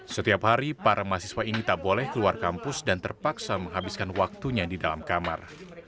setiap hari para mahasiswa ini tak boleh keluar kampus dan terpaksa menghabiskan waktunya di dalam kamar